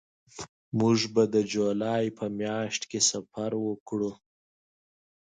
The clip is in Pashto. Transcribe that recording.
موږ به د جولای په میاشت کې سفر وکړو